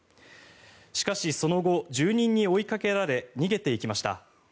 しかし、その後住人に追いかけられ逃げていきました。